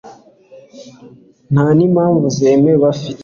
nta ni mpamvu zemewe bafite